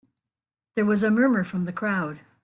There was a murmur from the crowd.